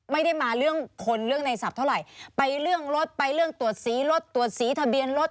ไม่ได้มาเรื่องคนเรื่องในศัพท์เท่าไหร่ไปเรื่องรถไปเรื่องตรวจสีรถตรวจสีทะเบียนรถ